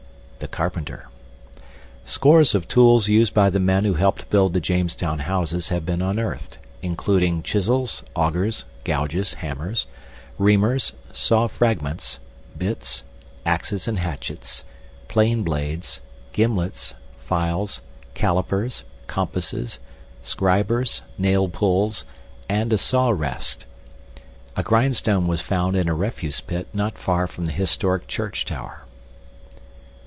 THE CARPENTER Scores of tools used by the men who helped build the Jamestown houses have been unearthed, including chisels, augers, gouges, hammers, reamers, saw fragments, bits, axes and hatchets, plane blades, gimlets, files, calipers, compasses, scribers, nail pulls, and a saw wrest. A grindstone was found in a refuse pit not far from the historic church tower.